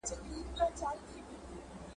انسانان په ټولنه کې بېلابېل فکري تړاوونه لري.